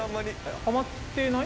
ハマってない？